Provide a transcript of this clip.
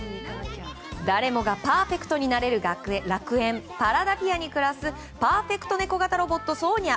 誰もがパーフェクトになれる楽園に暮らすパーフェクトネコ型ロボットソーニャ。